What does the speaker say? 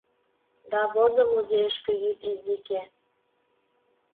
Да возо музейышке йӱд изике.